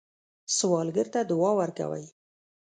سوالګر ته دعا ورکوئ